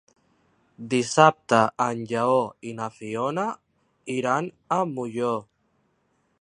Dissabte en Lleó i na Fiona iran a Molló.